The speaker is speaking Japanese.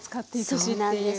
そうなんです。